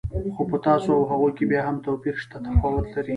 خو په تاسو او هغوی کې بیا هم توپیر شته، تفاوت لرئ.